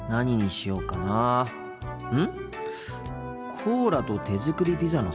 コーラと手作りピザのセットか。